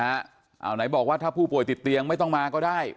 เอาไหนบอกว่าถ้าผู้ป่วยติดเตียงไม่ต้องมาก็ได้